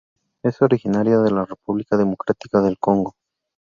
Es originaria de la República Democrática del Congo.